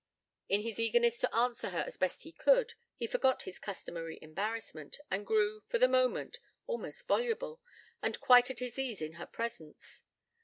In his eagerness to answer her as best he could, he forgot his customary embarrassment, and grew, for the moment, almost voluble, and quite at his ease in her presence.